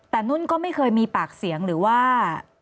แต่นุ่นก็ไม่เคยมีปากเสียงหรือว่า